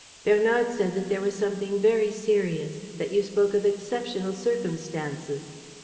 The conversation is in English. Bernard said that there was something very serious, that you spoke of exceptional circumstances.